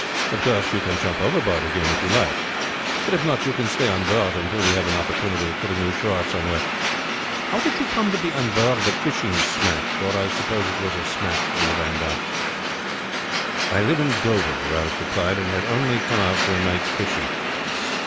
Of course you can jump overboard again if you like, but if not you can stay on board until we have an opportunity of putting you ashore somewhere. How did you come to be on board a fishing smack? For I suppose it was a smack that we run down." "I live at Dover," Ralph replied, "and had only come out for a night's fishing."